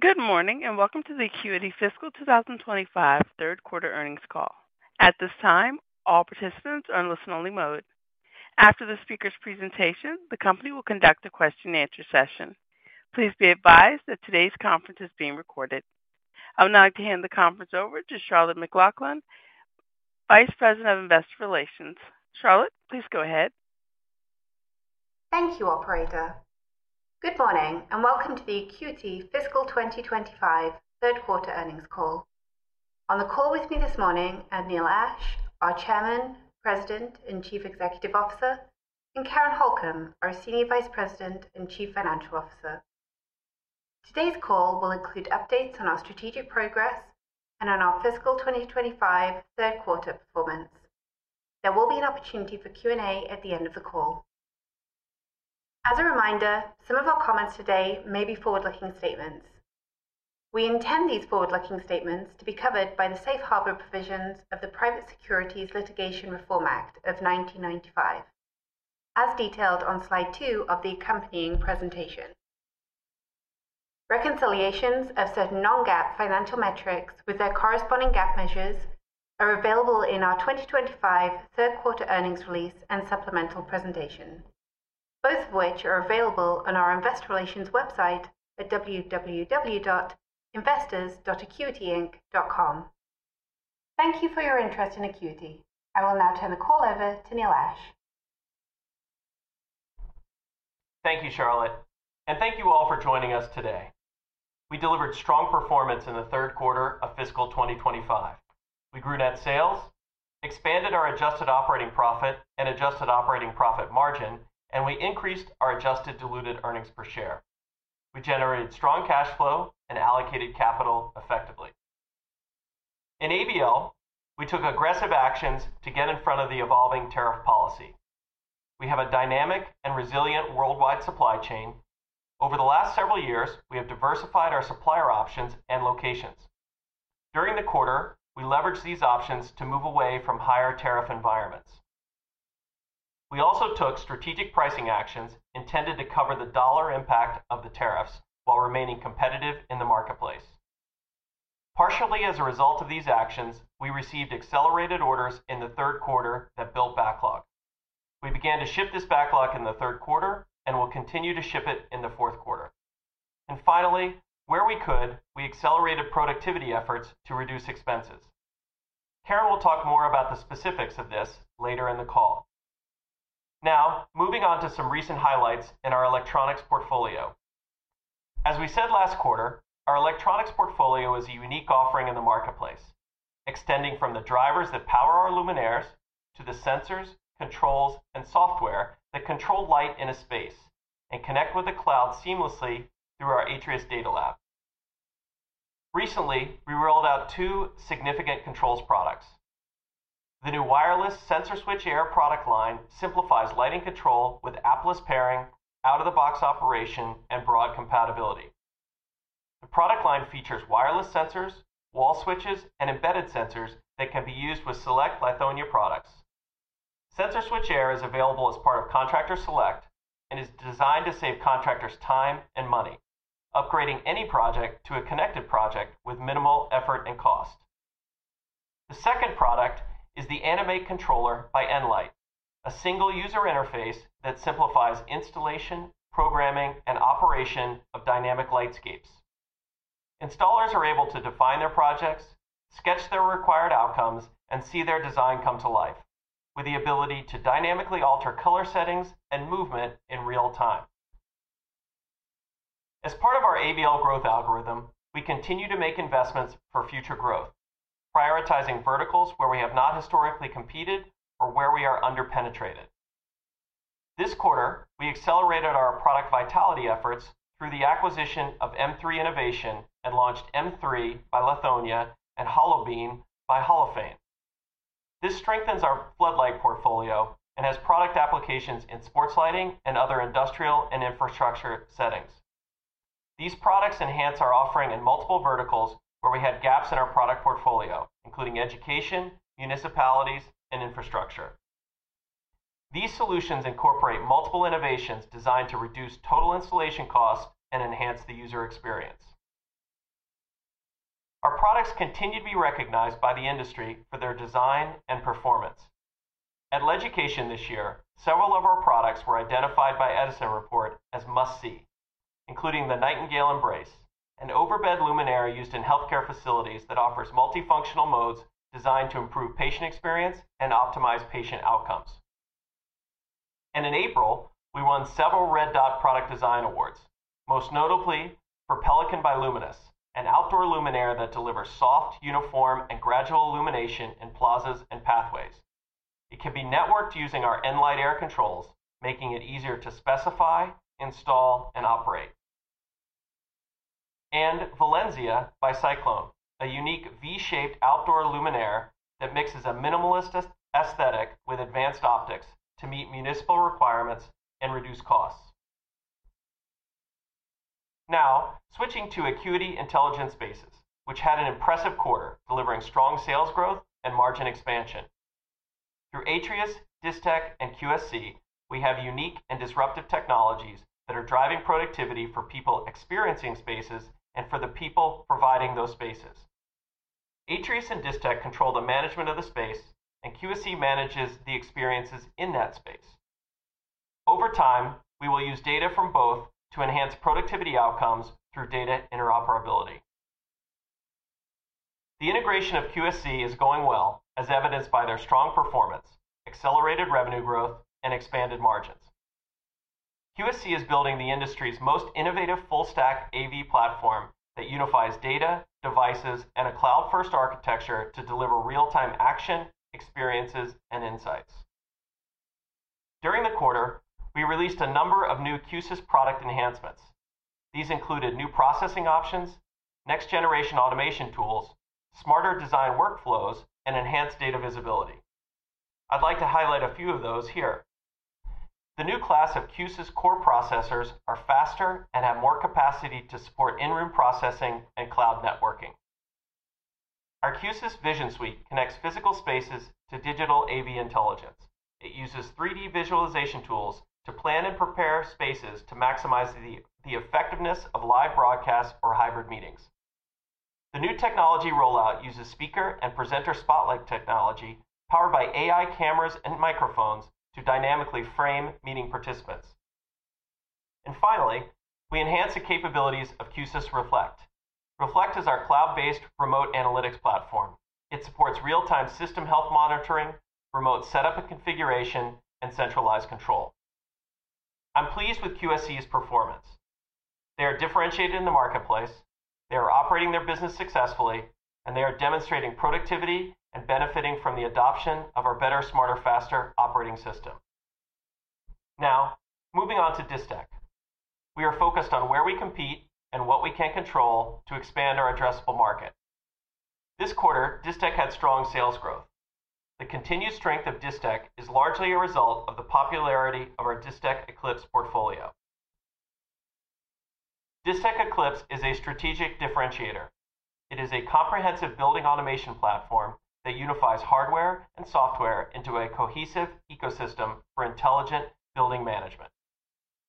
Good morning and welcome to the Acuity Fiscal 2025 Third Quarter earnings call. At this time, all participants are in listen-only mode. After the speaker's presentation, the company will conduct a question-and-answer session. Please be advised that today's conference is being recorded. I would now like to hand the conference over to Charlotte McLaughlin, Vice President of Investor Relations. Charlotte, please go ahead. Thank you, Operator. Good morning and welcome to the Acuity Fiscal 2025 Third Quarter earnings call. On the call with me this morning are Neil Ashe, our Chairman, President, and Chief Executive Officer, and Karen Holcomb, our Senior Vice President and Chief Financial Officer. Today's call will include updates on our strategic progress and on our Fiscal 2025 Third Quarter performance. There will be an opportunity for Q&A at the end of the call. As a reminder, some of our comments today may be forward-looking statements. We intend these forward-looking statements to be covered by the safe harbor provisions of the Private Securities Litigation Reform Act of 1995, as detailed on slide two of the accompanying presentation. Reconciliations of certain non-GAAP financial metrics with their corresponding GAAP measures are available in our 2025 Third Quarter earnings release and supplemental presentation, both of which are available on our Investor Relations website at www.investors.acuityinc.com. Thank you for your interest in Acuity. I will now turn the call over to Neil Ashe. Thank you, Charlotte, and thank you all for joining us today. We delivered strong performance in the Third Quarter of Fiscal 2025. We grew net sales, expanded our adjusted operating profit and adjusted operating profit margin, and we increased our adjusted diluted earnings per share. We generated strong cash flow and allocated capital effectively. In ABL, we took aggressive actions to get in front of the evolving tariff policy. We have a dynamic and resilient worldwide supply chain. Over the last several years, we have diversified our supplier options and locations. During the Quarter, we leveraged these options to move away from higher tariff environments. We also took strategic pricing actions intended to cover the dollar impact of the tariffs while remaining competitive in the marketplace. Partially as a result of these actions, we received accelerated orders in the Third Quarter that built backlog. We began to ship this backlog in the Third Quarter and will continue to ship it in the Fourth Quarter. Finally, where we could, we accelerated productivity efforts to reduce expenses. Karen will talk more about the specifics of this later in the call. Now, moving on to some recent highlights in our electronics portfolio. As we said last Quarter, our electronics portfolio is a unique offering in the marketplace, extending from the drivers that power our luminaires to the sensors, controls, and software that control light in a space and connect with the cloud seamlessly through our Atrius Data Lab. Recently, we rolled out two significant controls products. The new wireless Sensor Switch Air product line simplifies lighting control with app-less pairing, out-of-the-box operation, and broad compatibility. The product line features wireless sensors, wall switches, and embedded sensors that can be used with select Lithonia products. Sensor Switch Air is available as part of Contractor Select and is designed to save contractors time and money, upgrading any project to a connected project with minimal effort and cost. The second product is the Animate Controller by nLight, a single user interface that simplifies installation, programming, and operation of dynamic lightscapes. Installers are able to define their projects, sketch their required outcomes, and see their design come to life with the ability to dynamically alter color settings and movement in real time. As part of our ABL growth algorithm, we continue to make investments for future growth, prioritizing verticals where we have not historically competed or where we are underpenetrated. This Quarter, we accelerated our product vitality efforts through the acquisition of M3 Innovation and launched M3 by Lithonia and Hollow Beam by Holophane. This strengthens our floodlight portfolio and has product applications in sports lighting and other industrial and infrastructure settings. These products enhance our offering in multiple verticals where we had gaps in our product portfolio, including education, municipalities, and infrastructure. These solutions incorporate multiple innovations designed to reduce total installation costs and enhance the user experience. Our products continue to be recognized by the industry for their design and performance. At Education this year, several of our products were identified by Edison Report as must-see, including the Nightingale Embrace, an overbed luminaire used in healthcare facilities that offers multifunctional modes designed to improve patient experience and optimize patient outcomes. In April, we won several Red Dot product design awards, most notably for Pelican by Luminous, an outdoor luminaire that delivers soft, uniform, and gradual illumination in plazas and pathways. It can be networked using our nLight Air controls, making it easier to specify, install, and operate. Valencia by Cyclone, a unique V-shaped outdoor luminaire, mixes a minimalist aesthetic with advanced optics to meet municipal requirements and reduce costs. Now, switching to Acuity Intelligent Spaces, which had an impressive Quarter delivering strong sales growth and margin expansion. Through Atrius, Distech, and QSC, we have unique and disruptive technologies that are driving productivity for people experiencing spaces and for the people providing those spaces. Atrius and Distech control the management of the space, and QSC manages the experiences in that space. Over time, we will use data from both to enhance productivity outcomes through data interoperability. The integration of QSC is going well, as evidenced by their strong performance, accelerated revenue growth, and expanded margins. QSC is building the industry's most innovative full-stack AV platform that unifies data, devices, and a cloud-first architecture to deliver real-time action, experiences, and insights. During the Quarter, we released a number of new Q-SYS product enhancements. These included new processing options, next-generation automation tools, smarter design workflows, and enhanced data visibility. I'd like to highlight a few of those here. The new class of Q-SYS Core Processors are faster and have more capacity to support in-room processing and cloud networking. Our Q-SYS Vision Suite connects physical spaces to digital AV intelligence. It uses 3D visualization tools to plan and prepare spaces to maximize the effectiveness of live broadcasts or hybrid meetings. The new technology rollout uses speaker and presenter spotlight technology powered by AI cameras and microphones to dynamically frame meeting participants. Finally, we enhance the capabilities of Q-SYS Reflect. Reflect is our cloud-based remote analytics platform. It supports real-time system health monitoring, remote setup and configuration, and centralized control. I'm pleased with QSC's performance. They are differentiated in the marketplace. They are operating their business successfully, and they are demonstrating productivity and benefiting from the adoption of our Better, Smarter, Faster operating system. Now, moving on to Distech. We are focused on where we compete and what we can control to expand our addressable market. This Quarter, Distech had strong sales growth. The continued strength of Distech is largely a result of the popularity of our Distech Eclipse portfolio. Distech Eclipse is a strategic differentiator. It is a comprehensive building automation platform that unifies hardware and software into a cohesive ecosystem for intelligent building management.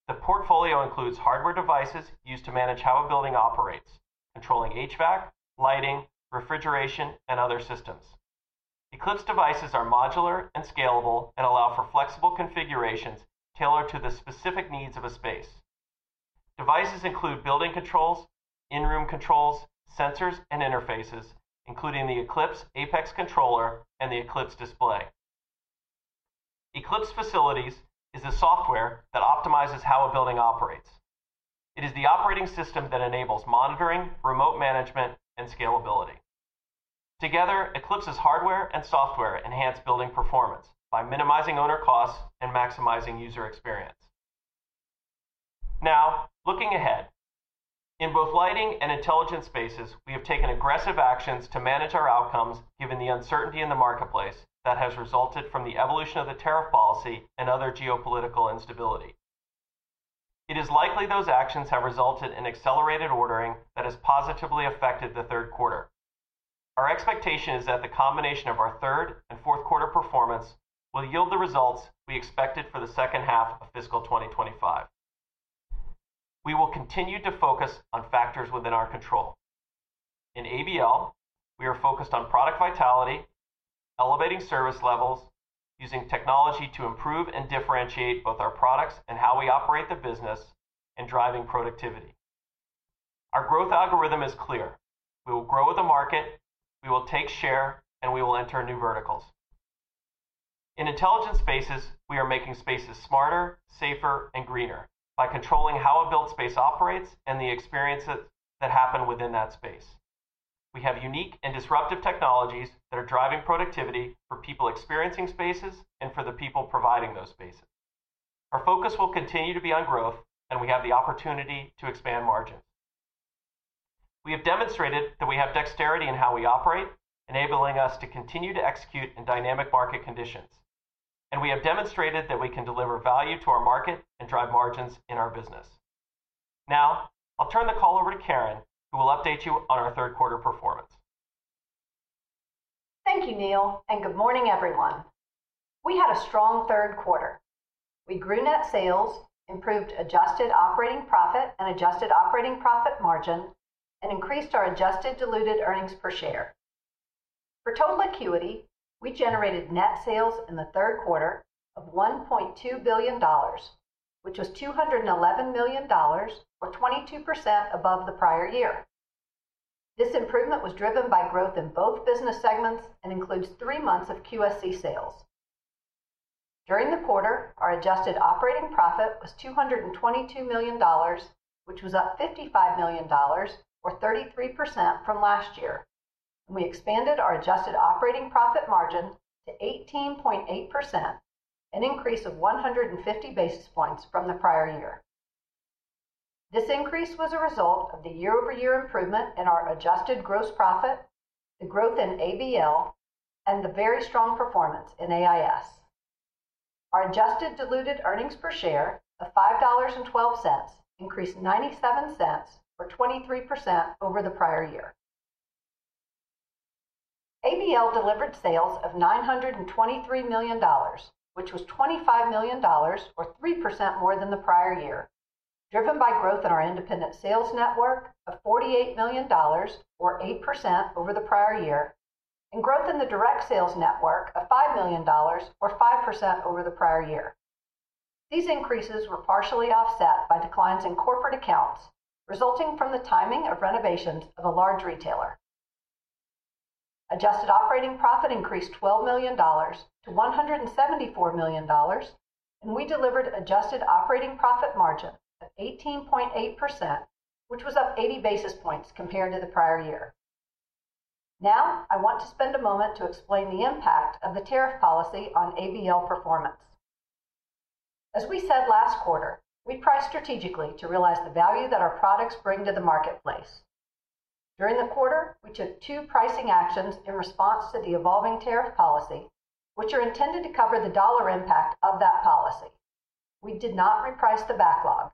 The portfolio includes hardware devices used to manage how a building operates, controlling HVAC, lighting, refrigeration, and other systems. Eclipse devices are modular and scalable and allow for flexible configurations tailored to the specific needs of a space. Devices include building controls, in-room controls, sensors, and interfaces, including the Eclipse Apex controller and the Eclipse Display. Eclipse Facilities is the software that optimizes how a building operates. It is the operating system that enables monitoring, remote management, and scalability. Together, Eclipse's hardware and software enhance building performance by minimizing owner costs and maximizing user experience. Now, looking ahead, in both lighting and intelligence spaces, we have taken aggressive actions to manage our outcomes given the uncertainty in the marketplace that has resulted from the evolution of the tariff policy and other geopolitical instability. It is likely those actions have resulted in accelerated ordering that has positively affected the Third Quarter. Our expectation is that the combination of our third and Fourth Quarter performance will yield the results we expected for the second half of fiscal 2025. We will continue to focus on factors within our control. In ABL, we are focused on product vitality, elevating service levels, using technology to improve and differentiate both our products and how we operate the business, and driving productivity. Our growth algorithm is clear. We will grow with the market, we will take share, and we will enter new verticals. In intelligence spaces, we are making spaces smarter, safer, and greener by controlling how a built space operates and the experiences that happen within that space. We have unique and disruptive technologies that are driving productivity for people experiencing spaces and for the people providing those spaces. Our focus will continue to be on growth, and we have the opportunity to expand margins. We have demonstrated that we have dexterity in how we operate, enabling us to continue to execute in dynamic market conditions. We have demonstrated that we can deliver value to our market and drive margins in our business. Now, I'll turn the call over to Karen, who will update you on our Third Quarter performance. Thank you, Neil, and good morning, everyone. We had a strong Third Quarter. We grew net sales, improved adjusted operating profit and adjusted operating profit margin, and increased our adjusted diluted earnings per share. For total Acuity, we generated net sales in the Third Quarter of $1.2 billion, which was $211 million, or 22% above the prior year. This improvement was driven by growth in both business segments and includes three months of QSC sales. During the Quarter, our adjusted operating profit was $222 million, which was up $55 million, or 33% from last year. We expanded our adjusted operating profit margin to 18.8%, an increase of 150 basis points from the prior year. This increase was a result of the year-over-year improvement in our adjusted gross profit, the growth in ABL, and the very strong performance in AIS. Our adjusted diluted earnings per share of $5.12 increased $0.97, or 23%, over the prior year. ABL delivered sales of $923 million, which was $25 million, or 3% more than the prior year, driven by growth in our independent sales network of $48 million, or 8%, over the prior year, and growth in the direct sales network of $5 million, or 5%, over the prior year. These increases were partially offset by declines in corporate accounts resulting from the timing of renovations of a large retailer. Adjusted operating profit increased $12 million to $174 million, and we delivered adjusted operating profit margin of 18.8%, which was up 80 basis points compared to the prior year. Now, I want to spend a moment to explain the impact of the tariff policy on ABL performance. As we said last Quarter, we priced strategically to realize the value that our products bring to the marketplace. During the Quarter, we took two pricing actions in response to the evolving tariff policy, which are intended to cover the dollar impact of that policy. We did not reprice the backlog.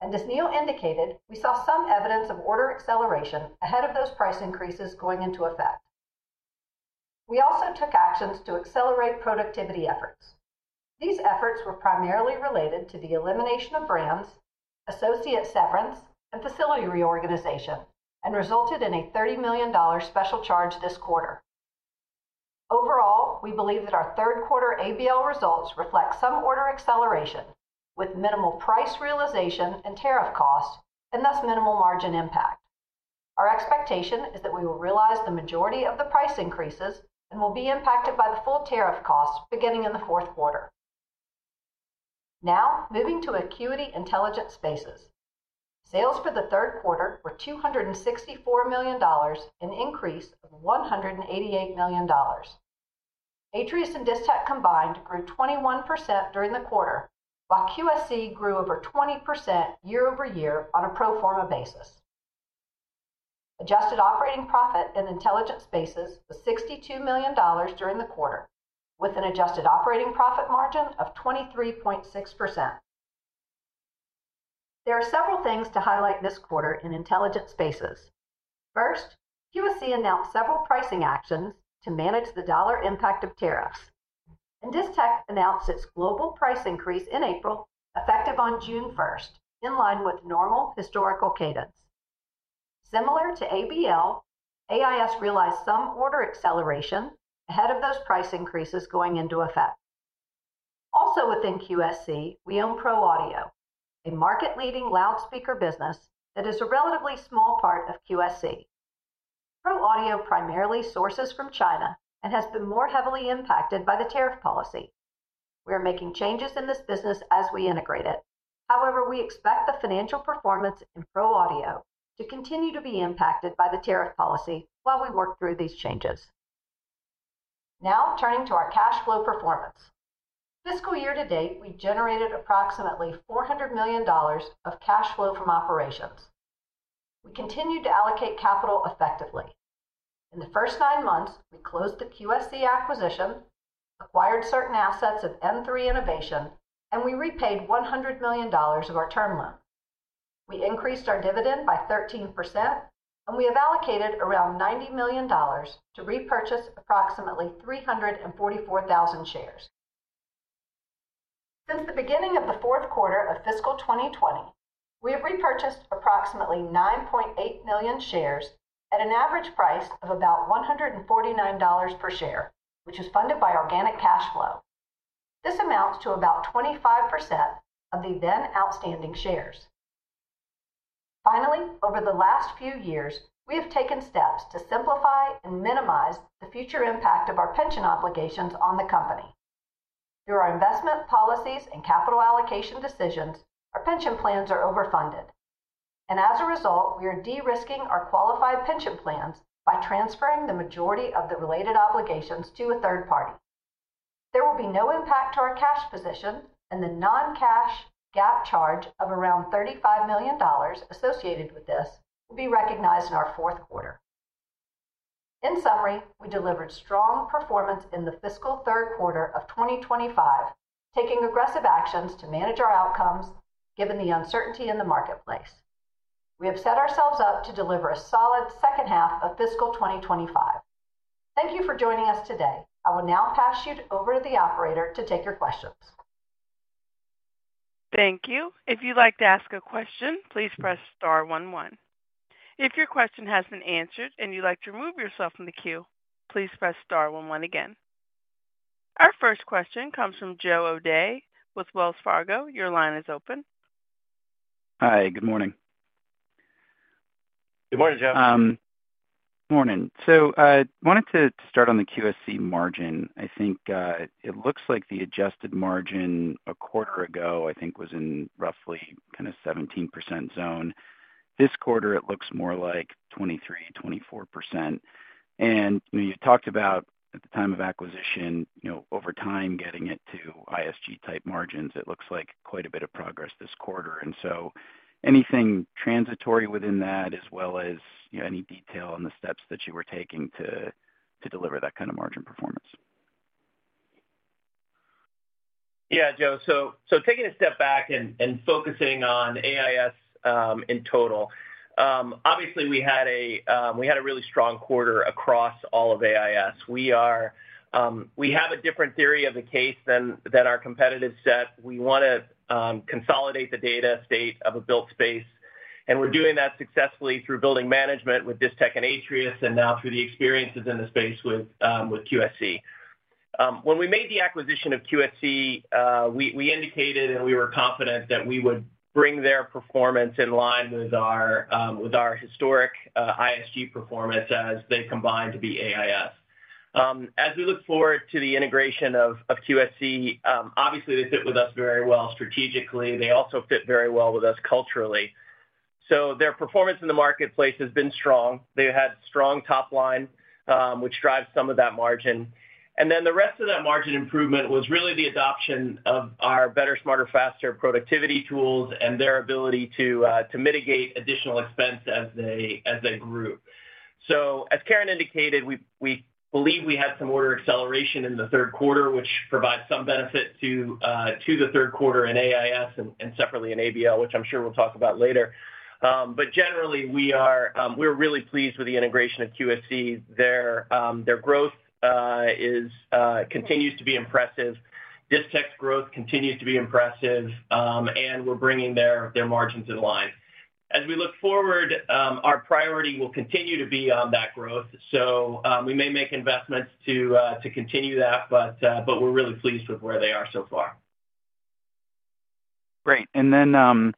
As Neil indicated, we saw some evidence of order acceleration ahead of those price increases going into effect. We also took actions to accelerate productivity efforts. These efforts were primarily related to the elimination of brands, associate severance, and facility reorganization, and resulted in a $30 million special charge this Quarter. Overall, we believe that our Third Quarter ABL results reflect some order acceleration with minimal price realization and tariff cost, and thus minimal margin impact. Our expectation is that we will realize the majority of the price increases and will be impacted by the full tariff costs beginning in the Fourth Quarter. Now, moving to Acuity Intelligent Spaces. Sales for the Third Quarter were $264 million, an increase of $188 million. Atrius and Distech combined grew 21% during the Quarter, while QSC grew over 20% year-over-year on a pro forma basis. Adjusted operating profit in intelligence spaces was $62 million during the Quarter, with an adjusted operating profit margin of 23.6%. There are several things to highlight this Quarter in intelligence spaces. First, QSC announced several pricing actions to manage the dollar impact of tariffs. Distech announced its global price increase in April, effective on June 1, in line with normal historical cadence. Similar to ABL, AIS realized some order acceleration ahead of those price increases going into effect. Also within QSC, we own ProAudio, a market-leading loudspeaker business that is a relatively small part of QSC. ProAudio primarily sources from China and has been more heavily impacted by the tariff policy. We are making changes in this business as we integrate it. However, we expect the financial performance in ProAudio to continue to be impacted by the tariff policy while we work through these changes. Now, turning to our cash flow performance. Fiscal year to date, we generated approximately $400 million of cash flow from operations. We continued to allocate capital effectively. In the first nine months, we closed the QSC acquisition, acquired certain assets of M3 Innovation, and we repaid $100 million of our term loan. We increased our dividend by 13%, and we have allocated around $90 million to repurchase approximately 344,000 shares. Since the beginning of the Fourth Quarter of fiscal 2020, we have repurchased approximately 9.8 million shares at an average price of about $149 per share, which is funded by organic cash flow. This amounts to about 25% of the then outstanding shares. Finally, over the last few years, we have taken steps to simplify and minimize the future impact of our pension obligations on the company. Through our investment policies and capital allocation decisions, our pension plans are overfunded. As a result, we are de-risking our qualified pension plans by transferring the majority of the related obligations to a third party. There will be no impact to our cash position, and the non-cash GAAP charge of around $35 million associated with this will be recognized in our Fourth Quarter. In summary, we delivered strong performance in the Fiscal Third Quarter of 2025, taking aggressive actions to manage our outcomes given the uncertainty in the marketplace. We have set ourselves up to deliver a solid second half of fiscal 2025. Thank you for joining us today. I will now pass you over to the operator to take your questions. Thank you. If you'd like to ask a question, please press star one one. If your question has been answered and you'd like to remove yourself from the queue, please press star one one again. Our first question comes from Joe O'Dea with Wells Fargo. Your line is open. Hi, good morning. Good morning, Joe. Good morning. I wanted to start on the QSC margin. I think it looks like the adjusted margin a Quarter ago, I think, was in roughly kind of 17% zone. This Quarter, it looks more like 23-24%. You talked about at the time of acquisition, over time getting it to ISG-type margins, it looks like quite a bit of progress this Quarter. Is there anything transitory within that, as well as any detail on the steps that you were taking to deliver that kind of margin performance? Yeah, Joe. Taking a step back and focusing on AIS in total, obviously, we had a really strong Quarter across all of AIS. We have a different theory of the case than our competitive set. We want to consolidate the data state of a built space. We are doing that successfully through building management with Distech and Atrius, and now through the experiences in the space with QSC. When we made the acquisition of QSC, we indicated and we were confident that we would bring their performance in line with our historic ISG performance as they combined to be AIS. As we look forward to the integration of QSC, obviously, they fit with us very well strategically. They also fit very well with us culturally. Their performance in the marketplace has been strong. They had strong top line, which drives some of that margin. The rest of that margin improvement was really the adoption of our Better, Smarter, Faster productivity tools and their ability to mitigate additional expense as they grew. As Karen indicated, we believe we had some order acceleration in the Third Quarter, which provides some benefit to the Third Quarter in AIS and separately in ABL, which I'm sure we'll talk about later. Generally, we are really pleased with the integration of QSC. Their growth continues to be impressive. Distech 's growth continues to be impressive, and we're bringing their margins in line. As we look forward, our priority will continue to be on that growth. We may make investments to continue that, but we're really pleased with where they are so far. Great. Then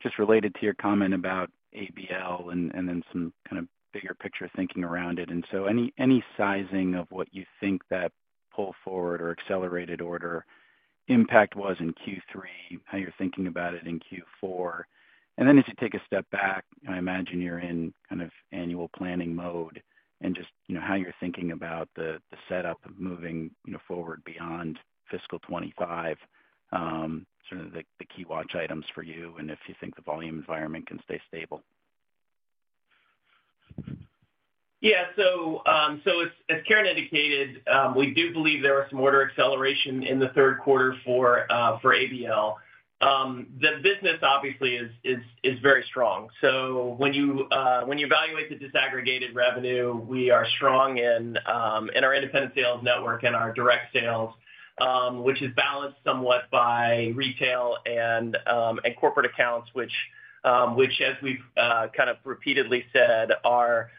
just related to your comment about ABL and then some kind of bigger picture thinking around it. Any sizing of what you think that pull forward or accelerated order impact was in Q3, how you're thinking about it in Q4. As you take a step back, I imagine you're in kind of annual planning mode and just how you're thinking about the setup of moving forward beyond fiscal 2025, sort of the key watch items for you and if you think the volume environment can stay stable. Yeah. As Karen indicated, we do believe there was some order acceleration in the Third Quarter for ABL. The business, obviously, is very strong. When you evaluate the disaggregated revenue, we are strong in our independent sales network and our direct sales, which is balanced somewhat by retail and corporate accounts, which, as we've kind of repeatedly said, are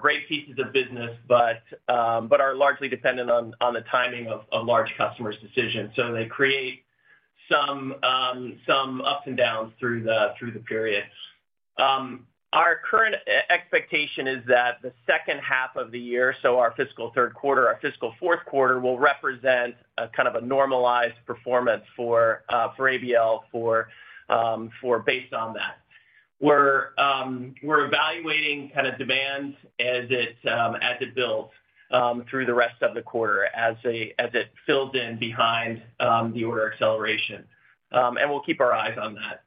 great pieces of business, but are largely dependent on the timing of large customers' decisions. They create some ups and downs through the period. Our current expectation is that the second half of the year, so Fiscal Third Quarter and Fiscal Fourth Quarter will represent kind of a normalized performance for ABL based on that. We're evaluating kind of demand as it builds through the rest of the Quarter as it fills in behind the order acceleration. We'll keep our eyes on that.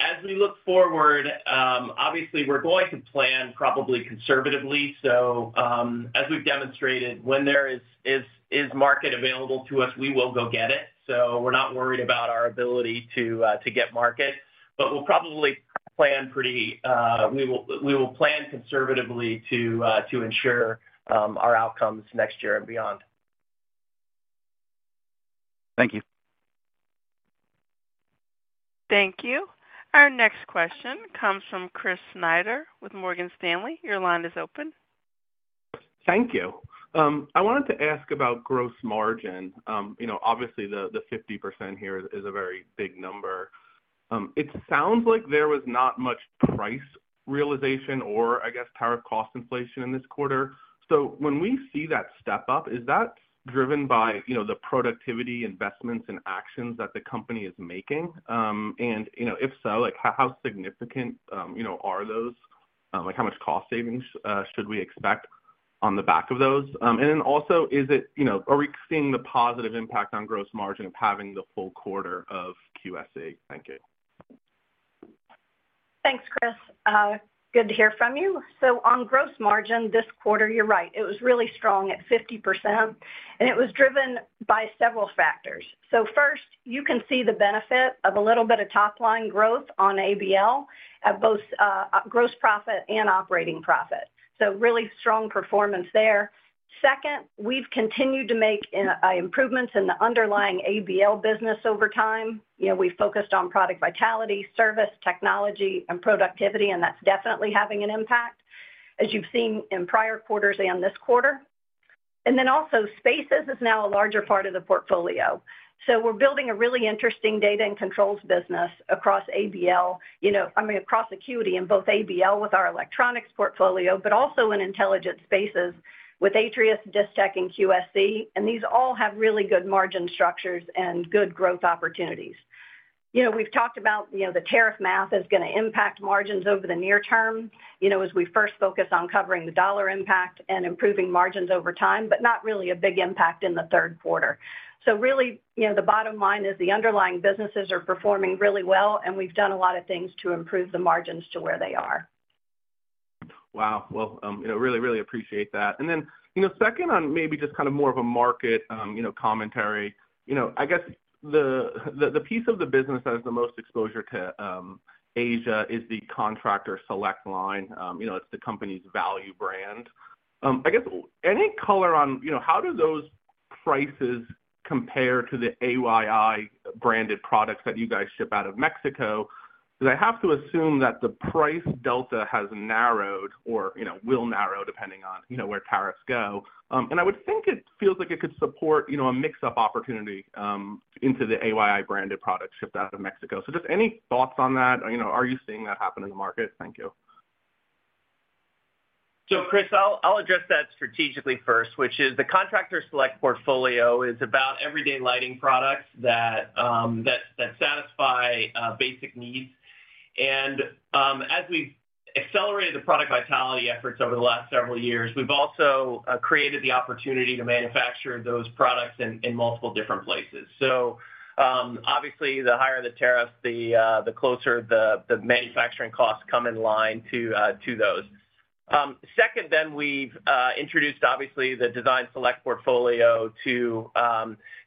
As we look forward, obviously, we're going to plan probably conservatively. As we've demonstrated, when there is market available to us, we will go get it. We're not worried about our ability to get market. We'll probably plan conservatively to ensure our outcomes next year and beyond. Thank you. Thank you. Our next question comes from Chris Snyder with Morgan Stanley. Your line is open. Thank you. I wanted to ask about gross margin. Obviously, the 50% here is a very big number. It sounds like there was not much price realization or, I guess, tariff cost inflation in this Quarter. When we see that step up, is that driven by the productivity investments and actions that the company is making? If so, how significant are those? How much cost savings should we expect on the back of those? Also, are we seeing the positive impact on gross margin of having the full Quarter of QSC? Thank you. Thanks, Chris. Good to hear from you. On gross margin this Quarter, you're right, it was really strong at 50%. It was driven by several factors. First, you can see the benefit of a little bit of top line growth on ABL at both gross profit and operating profit. Really strong performance there. Second, we've continued to make improvements in the underlying ABL business over time. We focused on product vitality, service, technology, and productivity, and that's definitely having an impact, as you've seen in prior Quarters and this Quarter. Also, spaces is now a larger part of the portfolio. We're building a really interesting data and controls business across ABL, I mean, across Acuity in both ABL with our electronics portfolio, but also in intelligence spaces with Atrius, Distech, and QSC. These all have really good margin structures and good growth opportunities. We've talked about the tariff math is going to impact margins over the near term as we first focus on covering the dollar impact and improving margins over time, but not really a big impact in the Third Quarter. The bottom line is the underlying businesses are performing really well, and we've done a lot of things to improve the margins to where they are. Wow. I really, really appreciate that. Then second, on maybe just kind of more of a market commentary, I guess the piece of the business that has the most exposure to Asia is the Contractor Select line. It is the company's value brand. I guess any color on how do those prices compare to the AYI-branded products that you guys ship out of Mexico? I have to assume that the price delta has narrowed or will narrow depending on where tariffs go. I would think it feels like it could support a mix-up opportunity into the AYI-branded products shipped out of Mexico. Just any thoughts on that? Are you seeing that happen in the market? Thank you. Chris, I'll address that strategically first, which is the Contractor Select portfolio is about everyday lighting products that satisfy basic needs. As we've accelerated the product vitality efforts over the last several years, we've also created the opportunity to manufacture those products in multiple different places. Obviously, the higher the tariffs, the closer the manufacturing costs come in line to those. We've introduced, obviously, the Design Select portfolio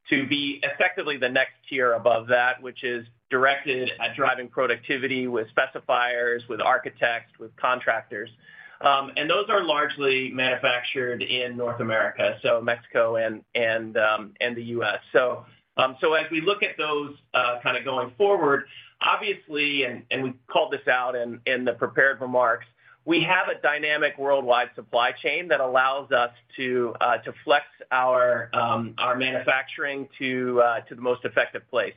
to be effectively the next tier above that, which is directed at driving productivity with specifiers, with architects, with contractors. Those are largely manufactured in North America, so Mexico and the U.S. As we look at those kind of going forward, obviously, and we called this out in the prepared remarks, we have a dynamic worldwide supply chain that allows us to flex our manufacturing to the most effective place.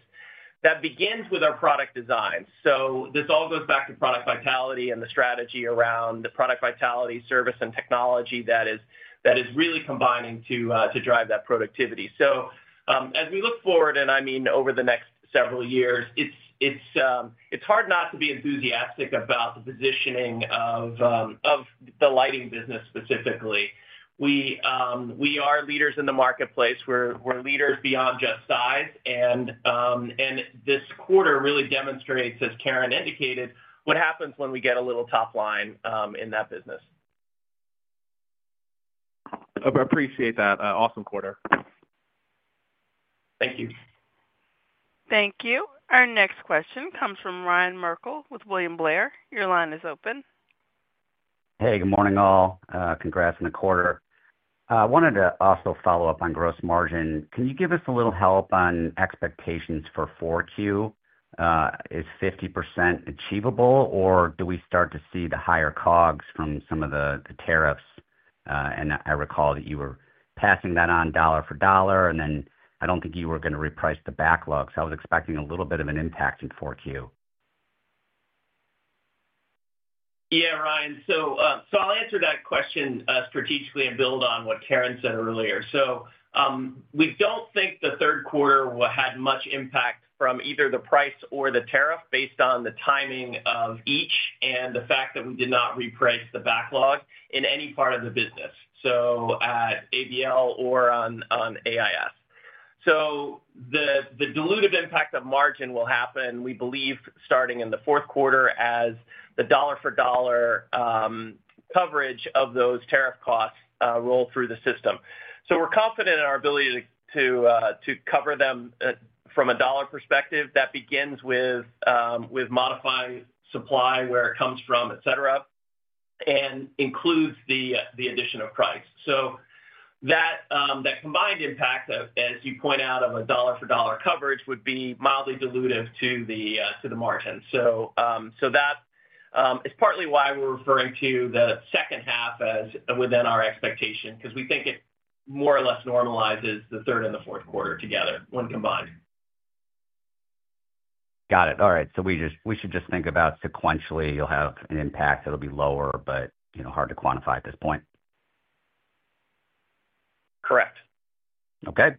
That begins with our product design. This all goes back to product vitality and the strategy around the product vitality, service, and technology that is really combining to drive that productivity. As we look forward, and I mean over the next several years, it's hard not to be enthusiastic about the positioning of the lighting business specifically. We are leaders in the marketplace. We're leaders beyond just size. This Quarter really demonstrates, as Karen indicated, what happens when we get a little top line in that business. Appreciate that. Awesome Quarter. Thank you. Thank you. Our next question comes from Ryan Merkel with William Blair. Your line is open. Hey, good morning all. Congrats on the Quarter. I wanted to also follow up on gross margin. Can you give us a little help on expectations for 4Q? Is 50% achievable, or do we start to see the higher COGS from some of the tariffs? I recall that you were passing that on dollar for dollar, and then I do not think you were going to reprice the backlog. I was expecting a little bit of an impact in 4Q. Yeah, Ryan. I'll answer that question strategically and build on what Karen said earlier. We don't think the Third Quarter had much impact from either the price or the tariff based on the timing of each and the fact that we did not reprice the backlog in any part of the business, at ABL or on AIS. The dilutive impact of margin will happen, we believe, starting in the Fourth Quarter as the dollar for dollar coverage of those tariff costs roll through the system. We're confident in our ability to cover them from a dollar perspective. That begins with modifying supply, where it comes from, etc., and includes the addition of price. That combined impact, as you point out, of a dollar for dollar coverage would be mildly dilutive to the margin. That is partly why we're referring to the second half as within our expectation because we think it more or less normalizes the Third and the Fourth Quarter together when combined. Got it. All right. We should just think about sequentially, you'll have an impact that'll be lower, but hard to quantify at this point. Correct. Okay.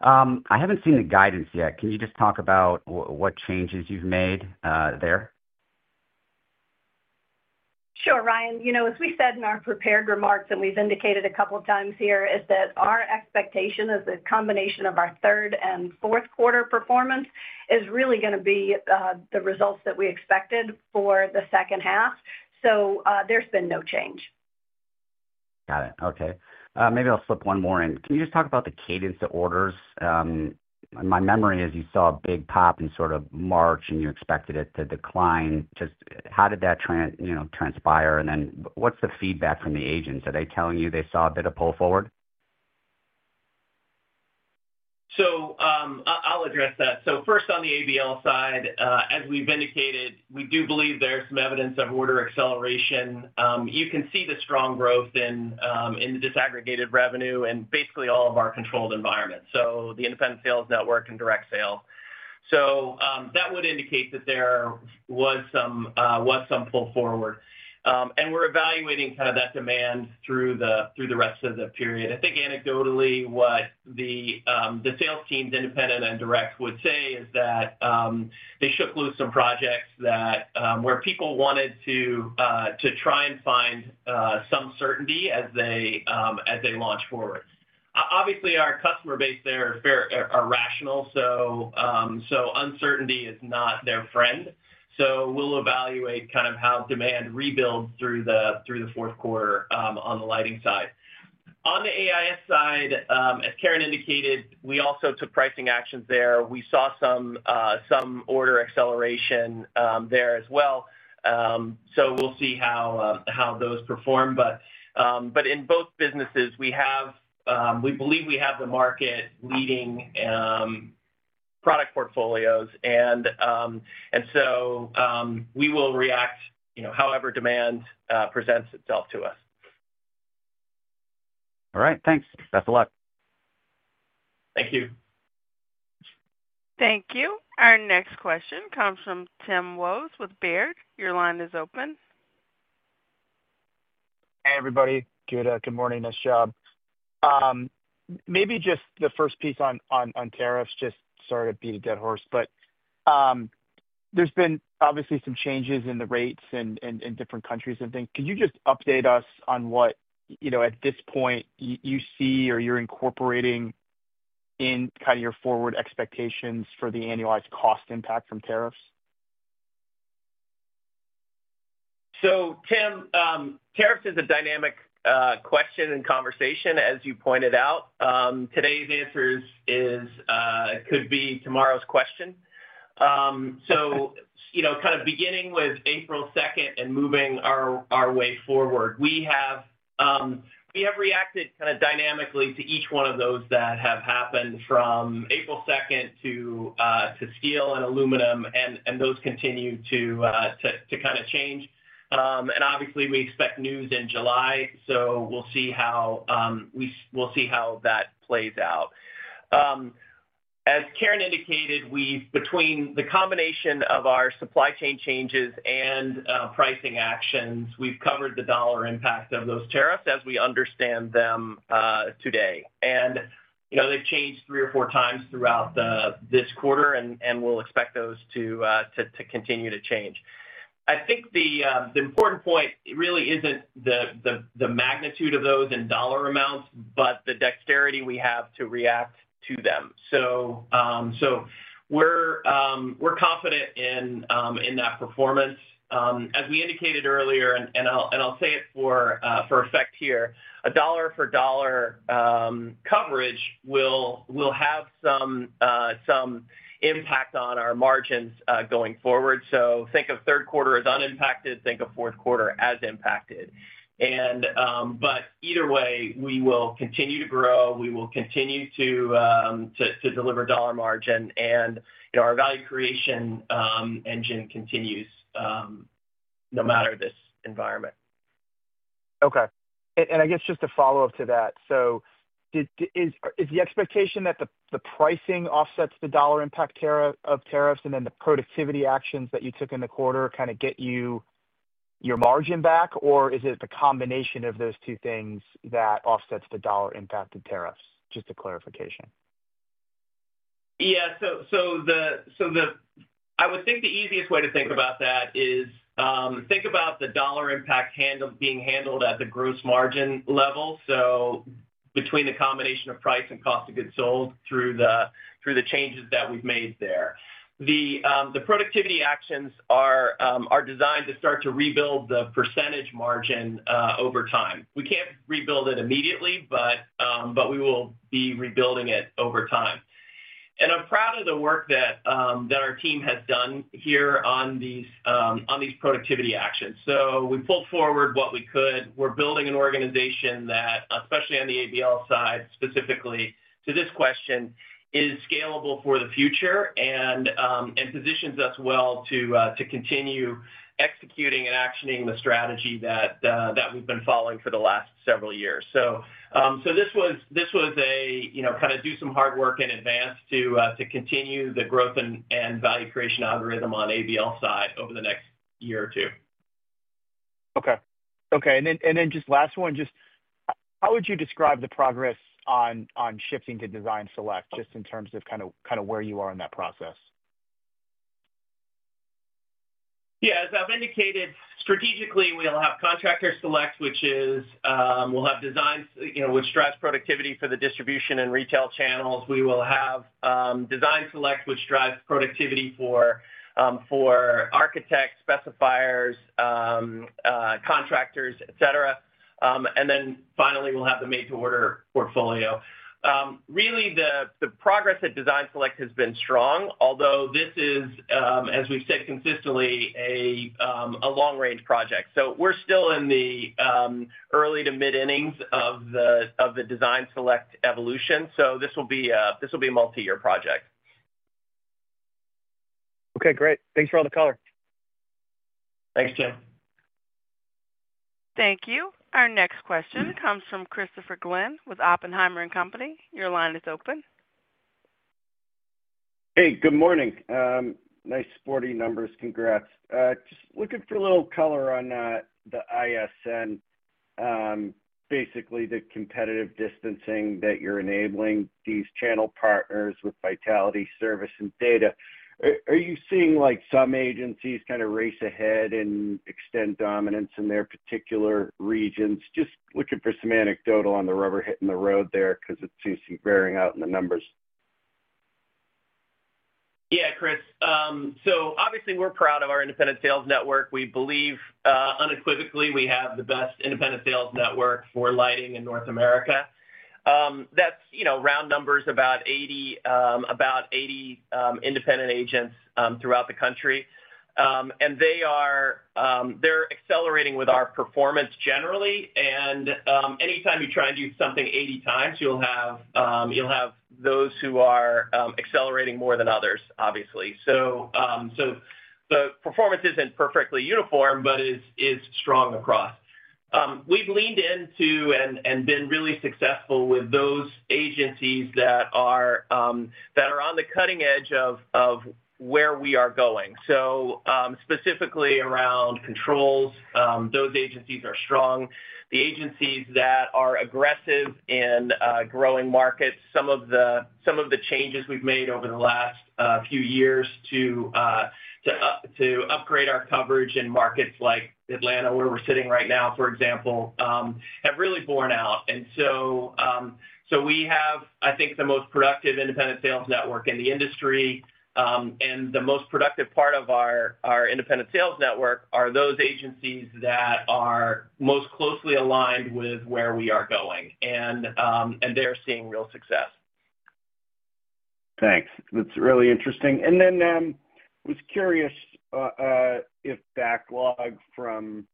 I haven't seen the guidance yet. Can you just talk about what changes you've made there? Sure, Ryan. As we said in our prepared remarks and we've indicated a couple of times here, is that our expectation is a combination of our Third and Fourth Quarter performance is really going to be the results that we expected for the second half. There has been no change. Got it. Okay. Maybe I'll slip one more in. Can you just talk about the cadence to orders? My memory is you saw a big pop in sort of March, and you expected it to decline. Just how did that transpire? What is the feedback from the agents? Are they telling you they saw a bit of pull forward? I'll address that. First, on the ABL side, as we've indicated, we do believe there's some evidence of order acceleration. You can see the strong growth in the disaggregated revenue in basically all of our controlled environments, so the independent sales network and direct sales. That would indicate that there was some pull forward. We're evaluating kind of that demand through the rest of the period. I think anecdotally, what the sales teams, independent and direct, would say is that they shook loose some projects where people wanted to try and find some certainty as they launch forward. Obviously, our customer base there are rational, so uncertainty is not their friend. We'll evaluate kind of how demand rebuilds through the Fourth Quarter on the lighting side. On the AIS side, as Karen indicated, we also took pricing actions there. We saw some order acceleration there as well. We will see how those perform. In both businesses, we believe we have the market leading product portfolios. We will react however demand presents itself to us. All right. Thanks. That's a lot. Thank you. Thank you. Our next question comes from Tim Wojs with Baird. Your line is open. Hey, everybody. Good morning, Nice job. Maybe just the first piece on tariffs, just not to beat a dead horse. There's been obviously some changes in the rates in different countries and things. Could you just update us on what, at this point, you see or you're incorporating in kind of your forward expectations for the annualized cost impact from tariffs? Tim, tariffs is a dynamic question and conversation, as you pointed out. Today's answer could be tomorrow's question. Kind of beginning with April 2nd and moving our way forward, we have reacted kind of dynamically to each one of those that have happened from April 2nd to steel and aluminum, and those continue to kind of change. Obviously, we expect news in July. We will see how that plays out. As Karen indicated, between the combination of our supply chain changes and pricing actions, we have covered the dollar impact of those tariffs as we understand them today. They have changed 3x or 4x throughout this Quarter, and we will expect those to continue to change. I think the important point really is not the magnitude of those in dollar amounts, but the dexterity we have to react to them. We are confident in that performance. As we indicated earlier, and I'll say it for effect here, a dollar for dollar coverage will have some impact on our margins going forward. Think of Third Quarter as unimpacted. Think of Fourth Quarter as impacted. Either way, we will continue to grow. We will continue to deliver dollar margin. Our value creation engine continues no matter this environment. Okay. I guess just a follow-up to that. Is the expectation that the pricing offsets the dollar impact of tariffs and then the productivity actions that you took in the Quarter kind of get you your margin back, or is it the combination of those two things that offsets the dollar impact of tariffs? Just a clarification. Yeah. I would think the easiest way to think about that is think about the dollar impact being handled at the gross margin level, so between the combination of price and cost of goods sold through the changes that we've made there. The productivity actions are designed to start to rebuild the percentage margin over time. We can't rebuild it immediately, but we will be rebuilding it over time. I'm proud of the work that our team has done here on these productivity actions. We pulled forward what we could. We're building an organization that, especially on the ABL side, specifically to this question, is scalable for the future and positions us well to continue executing and actioning the strategy that we've been following for the last several years. This was a kind of do some hard work in advance to continue the growth and value creation algorithm on ABL side over the next year or two. Okay. Okay. Just last one, just how would you describe the progress on shifting to Design Select just in terms of kind of where you are in that process? Yeah. As I've indicated, strategically, we'll have Contractor Select, which is we'll have designs which drive productivity for the distribution and retail channels. We will have Design Select, which drives productivity for architects, specifiers, contractors, etc. Then finally, we'll have the made-to-order portfolio. Really, the progress at Design Select has been strong, although this is, as we've said consistently, a long-range project. We're still in the early to mid-innings of the Design Select evolution. This will be a multi-year project. Okay. Great. Thanks for all the color. Thanks, Tim. Thank you. Our next question comes from Christopher Glynn with Oppenheimer & Company. Your line is open. Hey, good morning. Nice sporty numbers. Congrats. Just looking for a little color on the ISN, basically the competitive distancing that you're enabling these channel partners with vitality, service, and data. Are you seeing some agencies kind of race ahead and extend dominance in their particular regions? Just looking for some anecdotal on the rubber hitting the road there because it seems to be veering out in the numbers. Yeah, Chris. Obviously, we're proud of our independent sales network. We believe unequivocally we have the best independent sales network for lighting in North America. That's round numbers about 80 independent agents throughout the country. They're accelerating with our performance generally. Anytime you try and do something 80 times, you'll have those who are accelerating more than others, obviously. The performance isn't perfectly uniform, but it's strong across. We've leaned into and been really successful with those agencies that are on the cutting edge of where we are going. Specifically around controls, those agencies are strong. The agencies that are aggressive in growing markets, some of the changes we've made over the last few years to upgrade our coverage in markets like Atlanta, where we're sitting right now, for example, have really borne out. We have, I think, the most productive independent sales network in the industry. The most productive part of our independent sales network are those agencies that are most closely aligned with where we are going. They are seeing real success. Thanks. That's really interesting. I was curious if backlog from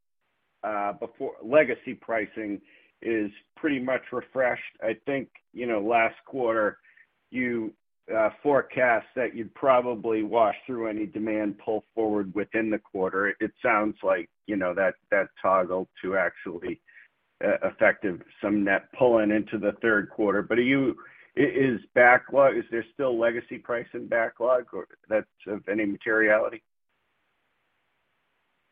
legacy pricing is pretty much refreshed. I think last Quarter, you forecast that you'd probably wash through any demand pull forward within the Quarter. It sounds like that toggled to actually effective some net pulling into the Third Quarter. Is there still legacy pricing backlog that's of any materiality?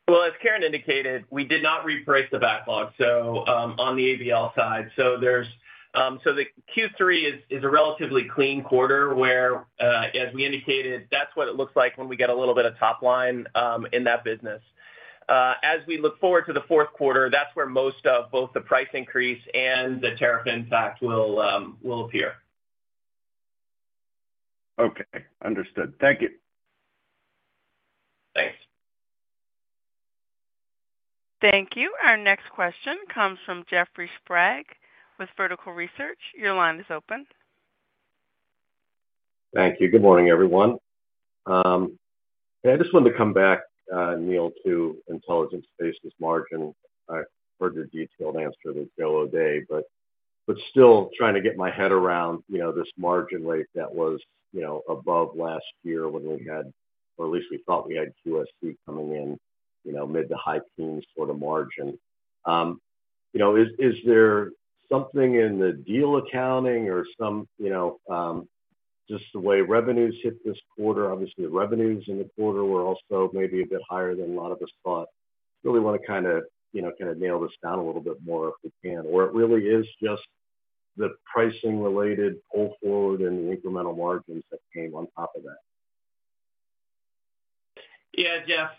As Karen indicated, we did not reprice the backlog on the ABL side. The Q3 is a relatively clean Quarter where, as we indicated, that's what it looks like when we get a little bit of top line in that business. As we look forward to the Fourth Quarter, that's where most of both the price increase and the tariff impact will appear. Okay. Understood. Thank you. Thanks. Thank you. Our next question comes from Jeffrey Sprague with Vertical Research. Your line is open. Thank you. Good morning, everyone. I just wanted to come back, Neil, to intelligence-based margin. I heard your detailed answer that the other day, but still trying to get my head around this margin rate that was above last year when we had, or at least we thought we had QSC coming in mid to high teens for the margin. Is there something in the deal accounting or just the way revenues hit this Quarter? Obviously, revenues in the Quarter were also maybe a bit higher than a lot of us thought. Really want to kind of nail this down a little bit more if we can. Or it really is just the pricing-related pull forward and the incremental margins that came on top of that? Yeah, Jeff.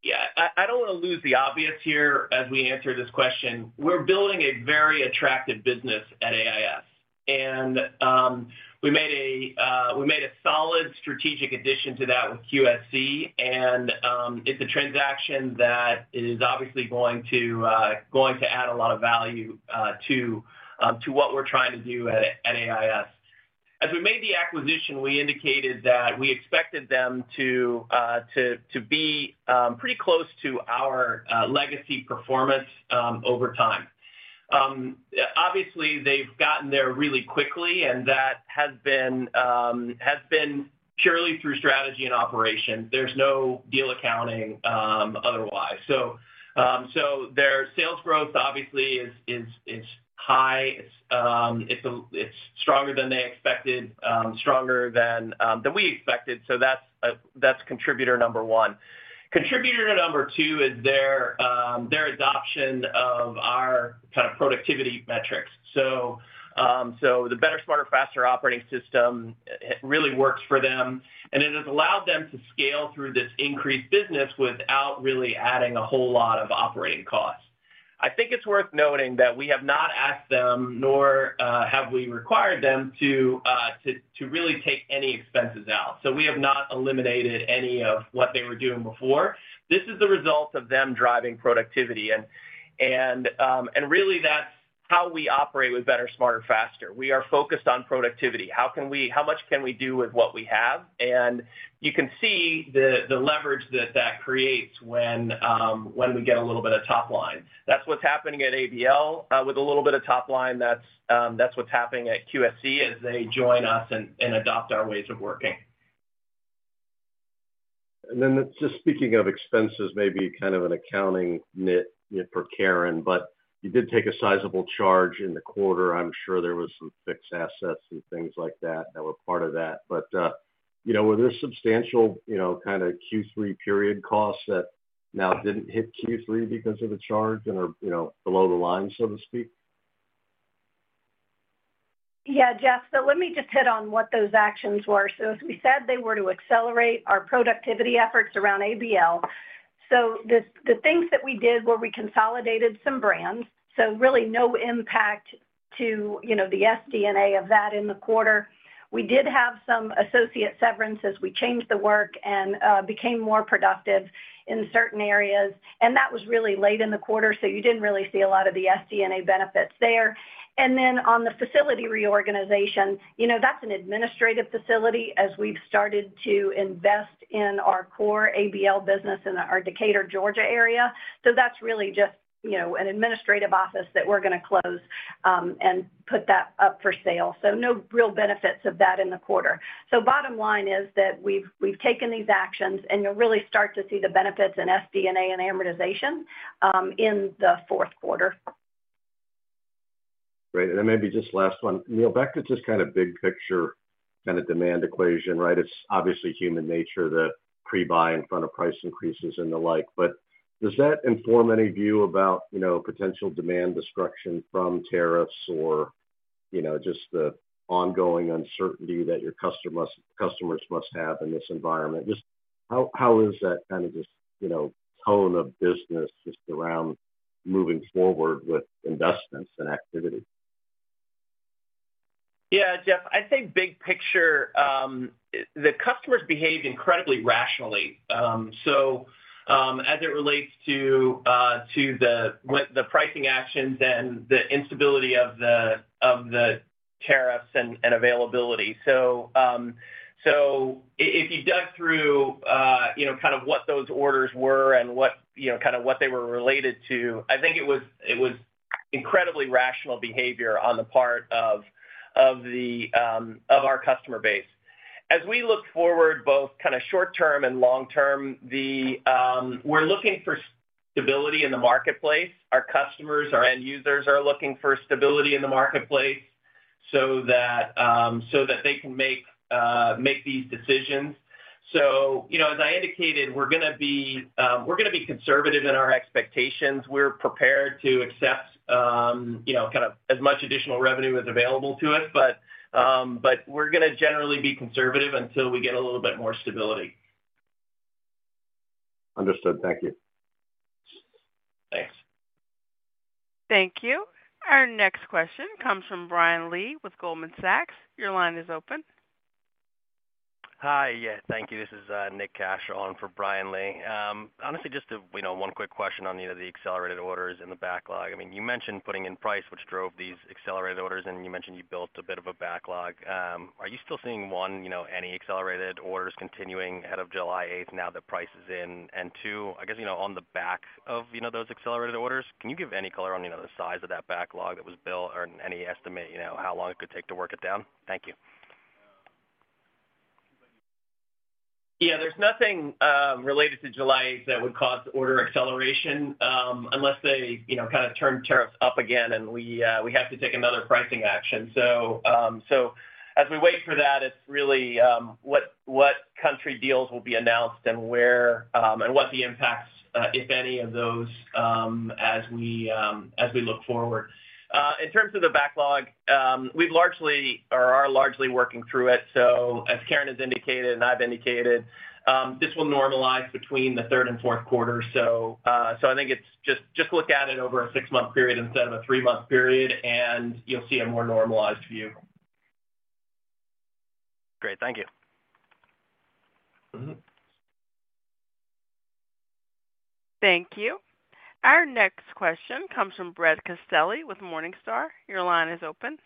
Yeah. I don't want to lose the obvious here as we answer this question. We're building a very attractive business at AIS. And we made a solid strategic addition to that with QSC. It's a transaction that is obviously going to add a lot of value to what we're trying to do at AIS. As we made the acquisition, we indicated that we expected them to be pretty close to our legacy performance over time. Obviously, they've gotten there really quickly, and that has been purely through strategy and operations. There's no deal accounting otherwise. Their sales growth, obviously, is high. It's stronger than they expected, stronger than we expected. That's contributor number one. Contributor number two is their adoption of our kind of productivity metrics. The Better, Smarter, Faster operating system really works for them. It has allowed them to scale through this increased business without really adding a whole lot of operating costs. I think it's worth noting that we have not asked them, nor have we required them, to really take any expenses out. We have not eliminated any of what they were doing before. This is the result of them driving productivity. Really, that's how we operate with Better, Smarter, Faster. We are focused on productivity. How much can we do with what we have? You can see the leverage that that creates when we get a little bit of top line. That's what's happening at ABL with a little bit of top line. That's what's happening at QSC as they join us and adopt our ways of working. Just speaking of expenses, maybe kind of an accounting nit for Karen, but you did take a sizable charge in the Quarter. I'm sure there were some fixed assets and things like that that were part of that. Were there substantial kind of Q3 period costs that now didn't hit Q3 because of the charge and are below the line, so to speak? Yeah, Jeff. Let me just hit on what those actions were. As we said, they were to accelerate our productivity efforts around ABL. The things that we did were we consolidated some brands. Really no impact to the SG&A of that in the Quarter. We did have some associate severances as we changed the work and became more productive in certain areas. That was really late in the Quarter, so you did not really see a lot of the SG&A benefits there. On the facility reorganization, that is an administrative facility as we have started to invest in our core ABL business in our Decatur, Georgia area. That is really just an administrative office that we are going to close and put that up for sale. No real benefits of that in the Quarter. Bottom line is that we've taken these actions, and you'll really start to see the benefits in SG&A and amortization in the Fourth Quarter. Great. Maybe just last one. Neil, back to just kind of big picture kind of demand equation, right? It's obviously human nature to pre-buy in front of price increases and the like. Does that inform any view about potential demand destruction from tariffs or just the ongoing uncertainty that your customers must have in this environment? Just how is that kind of just tone of business just around moving forward with investments and activity? Yeah, Jeff. I'd say big picture, the customers behaved incredibly rationally. As it relates to the pricing actions and the instability of the tariffs and availability, if you dug through kind of what those orders were and kind of what they were related to, I think it was incredibly rational behavior on the part of our customer base. As we look forward, both kind of short-term and long-term, we're looking for stability in the marketplace. Our customers, our end users are looking for stability in the marketplace so that they can make these decisions. As I indicated, we're going to be conservative in our expectations. We're prepared to accept kind of as much additional revenue as available to us, but we're going to generally be conservative until we get a little bit more stability. Understood. Thank you. Thanks. Thank you. Our next question comes from Brian Lee with Goldman Sachs. Your line is open. Hi. Yeah, thank you. This is Nick Cash on for Brian Lee. Honestly, just one quick question on the accelerated orders and the backlog. I mean, you mentioned putting in price, which drove these accelerated orders, and you mentioned you built a bit of a backlog. Are you still seeing any accelerated orders continuing ahead of July 8th now that price is in? And two, I guess on the back of those accelerated orders, can you give any color on the size of that backlog that was built or any estimate how long it could take to work it down? Thank you. Yeah. There is nothing related to July 8th that would cause order acceleration unless they kind of turn tariffs up again and we have to take another pricing action. As we wait for that, it is really what country deals will be announced and what the impacts, if any, of those as we look forward. In terms of the backlog, we have largely or are largely working through it. As Karen has indicated and I have indicated, this will normalize between the third and Fourth Quarter. I think just look at it over a six-month period instead of a three-month period, and you will see a more normalized view. Great. Thank you. Thank you. Our next question comes from Brett Castelli with Morningstar. Your line is open.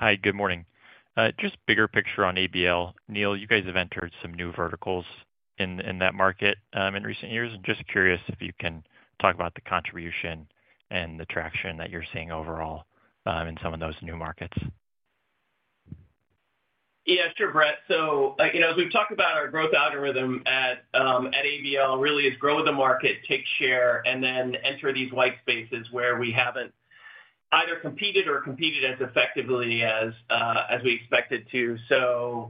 Hi, good morning. Just bigger picture on ABL. Neil, you guys have entered some new verticals in that market in recent years. I'm just curious if you can talk about the contribution and the traction that you're seeing overall in some of those new markets. Yeah, sure, Brett. As we've talked about, our growth algorithm at ABL really is grow with the market, take share, and then enter these white spaces where we haven't either competed or competed as effectively as we expected to.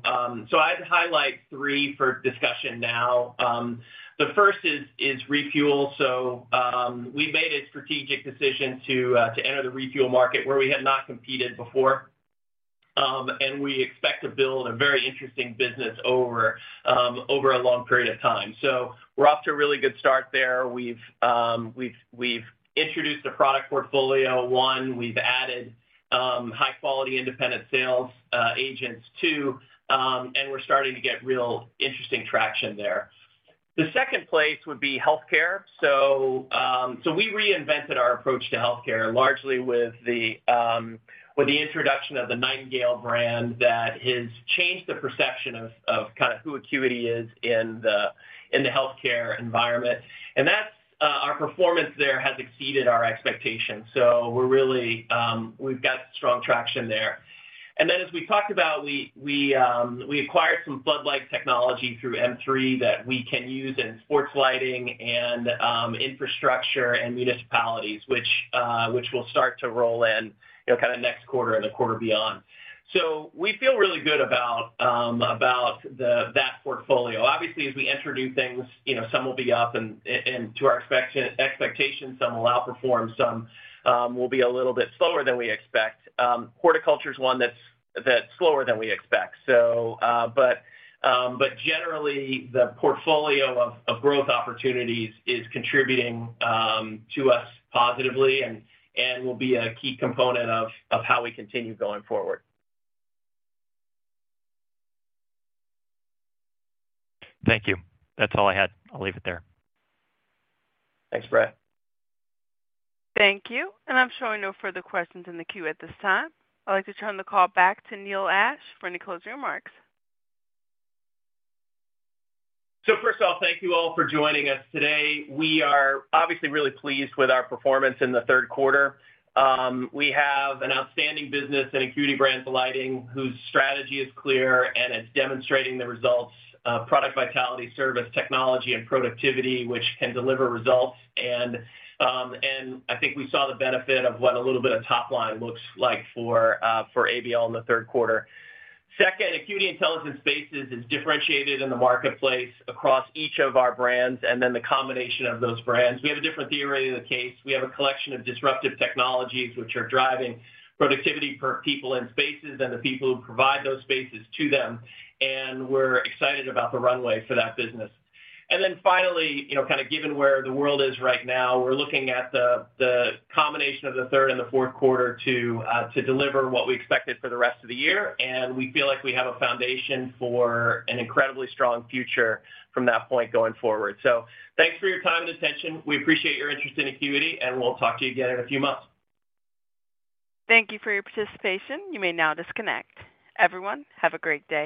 I'd highlight three for discussion now. The first is refuel. We made a strategic decision to enter the refuel market where we had not competed before. We expect to build a very interesting business over a long period of time. We're off to a really good start there. We've introduced a product portfolio, one. We've added high-quality independent sales agents, two. We're starting to get real interesting traction there. The second place would be healthcare. We reinvented our approach to healthcare largely with the introduction of the Nightingale brand that has changed the perception of kind of who Acuity is in the healthcare environment. Our performance there has exceeded our expectations. We have strong traction there. As we talked about, we acquired some floodlight technology through M3 that we can use in sports lighting and infrastructure and municipalities, which we will start to roll in next Quarter and the Quarter beyond. We feel really good about that portfolio. Obviously, as we enter new things, some will be up and to our expectations, some will outperform, and some will be a little bit slower than we expect. Horticulture is one that is slower than we expect. Generally, the portfolio of growth opportunities is contributing to us positively and will be a key component of how we continue going forward. Thank you. That's all I had. I'll leave it there. Thanks, Brett. Thank you. I'm showing no further questions in the queue at this time. I'd like to turn the call back to Neil Ashe for any closing remarks. First off, thank you all for joining us today. We are obviously really pleased with our performance in the Third Quarter. We have an outstanding business in Acuity Brands Lighting whose strategy is clear, and it is demonstrating the results: product vitality, service, technology, and productivity, which can deliver results. I think we saw the benefit of what a little bit of top line looks like for ABL in the Third Quarter. Second, Acuity Intelligent Spaces is differentiated in the marketplace across each of our brands, and then the combination of those brands. We have a different theory of the case. We have a collection of disruptive technologies which are driving productivity for people in spaces and the people who provide those spaces to them. We are excited about the runway for that business. Finally, kind of given where the world is right now, we're looking at the combination of the third and the Fourth Quarter to deliver what we expected for the rest of the year. We feel like we have a foundation for an incredibly strong future from that point going forward. Thanks for your time and attention. We appreciate your interest in Acuity, and we'll talk to you again in a few months. Thank you for your participation. You may now disconnect. Everyone, have a great day.